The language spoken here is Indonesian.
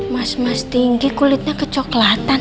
mas mas tinggi kulitnya kecoklatan